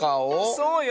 そうよ。